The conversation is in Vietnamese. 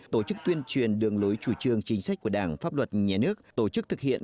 tổ chức tuyên truyền đường lối chủ trương chính sách của đảng pháp luật nhà nước tổ chức thực hiện